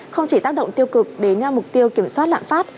không chỉ tác động tiêu cực đến mục tiêu kiểm soát lạm phát